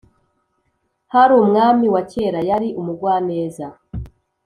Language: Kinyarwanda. hari umwami wa kera; yari umugwaneza.